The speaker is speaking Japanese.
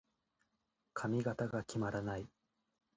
髪型が決まらない。